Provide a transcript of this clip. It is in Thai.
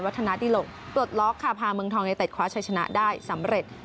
ธนาดิหลกปลดล็อกค่ะพาเมืองทองยูเต็ดคว้าชัยชนะได้สำเร็จ